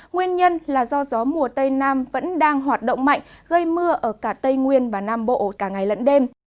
nguyên nhân là do gió mùa tây nam vẫn đang hoạt động mạnh gây mưa ở cả tây nguyên và nam bộ cả ngày lẫn đêm